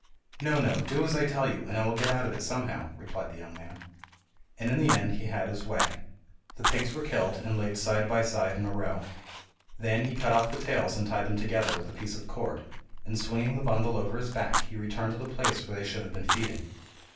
"No, no; do as I tell you, and I will get out of it somehow," replied the young man. And in the end he had his way. The pigs were killed, and laid side by side in a row. Then he cut off the tails and tied them together with a piece of cord, and swinging the bundle over his back, he returned to the place where they should have been feeding.